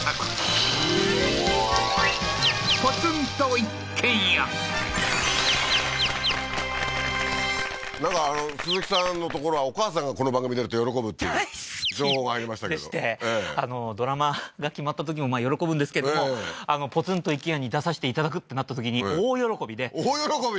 今夜もなんか鈴木さんのところはお母さんがこの番組出ると喜ぶっていう大好きでしてドラマが決まったときも喜ぶんですけれどもポツンと一軒家に出さしていただくってなったときに大喜びで大喜び？